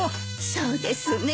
そうですね。